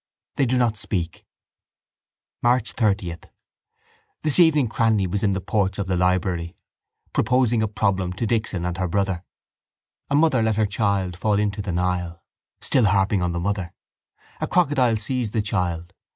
They do not speak. March 30. This evening Cranly was in the porch of the library, proposing a problem to Dixon and her brother. A mother let her child fall into the Nile. Still harping on the mother. A crocodile seized the child.